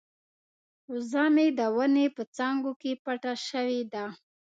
وزه مې د ونې په څانګو کې پټه شوې ده.